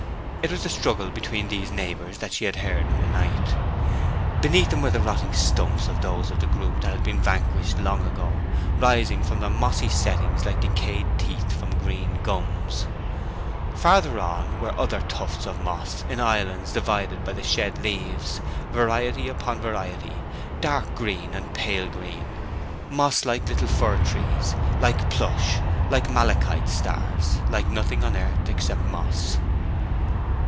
It was the struggle between these neighbors that she had heard in the night. Beneath them were the rotting stumps of those of the group that had been vanquished long ago, rising from their mossy setting like decayed teeth from green gums. Farther on were other tufts of moss in islands divided by the shed leaves—variety upon variety, dark green and pale green; moss like little fir trees, like plush, like malachite stars, like nothing on earth except moss.